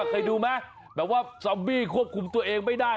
เคยดูไหมแบบว่าซอมบี้ควบคุมตัวเองไม่ได้